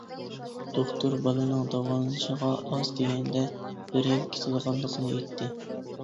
دوختۇر بالىنىڭ داۋالىنىشىغا ئاز دېگەندە بىر يىل كېتىدىغانلىقىنى ئېيتتى.